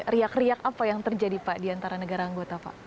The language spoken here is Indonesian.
riak riak apa yang terjadi diantara negara anggota